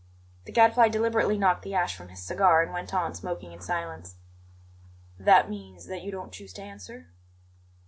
The Gadfly deliberately knocked the ash from his cigar and went on smoking in silence. "That means that you don't choose to answer?"